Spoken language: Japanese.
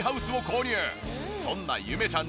そんなゆめちゃん